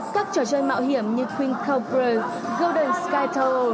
các trò chơi mạo hiểm như queen s cobra golden skytale